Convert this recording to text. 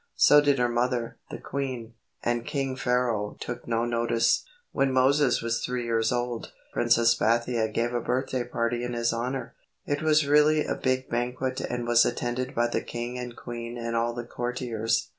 So did her mother, the queen, and King Pharaoh took no notice. When Moses was three years old, Princess Bathia gave a birthday party in his honor. It was really a big banquet and was attended by the king and queen and all the courtiers.